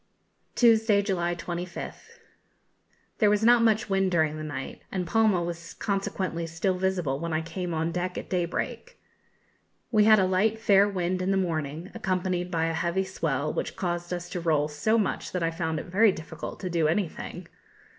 _ Tuesday, July 25th. There was not much wind during the night, and Palma was consequently still visible when I came on deck at daybreak. We had a light fair wind in the morning, accompanied by a heavy swell, which caused us to roll so much that I found it very difficult to do anything.